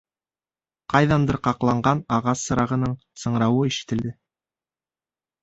Ҡайҙандыр ҡаҡланған ағас сырағының сыңрауы ишетелде.